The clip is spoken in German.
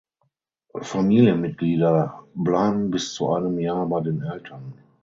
Familienmitglieder bleiben bis zu einem Jahr bei den Eltern.